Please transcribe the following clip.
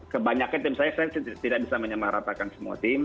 kebanyakan tim saya tidak bisa menyamaratakan semua tim